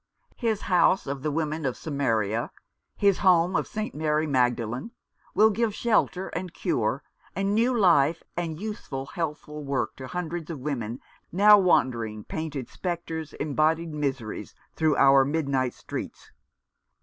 His House of the Woman of Samaria, his Home of St. Mary Magdalene, will 366 A New Development. give shelter and cure, and new life, and useful healthful work to hundreds of women now wander ing, painted spectres, embodied miseries, through our midnight streets.